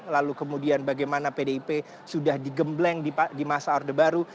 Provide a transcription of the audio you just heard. lalu kemudian bagaimana pdip sudah digembleng di masa orde baru